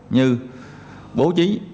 như bố trí